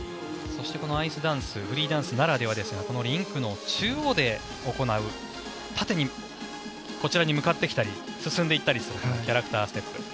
そして、このアイスダンスフリーダンスならではですがこのリンクの中央で行う縦にこちらに向かってきたり進んでいったりするキャラクターステップ。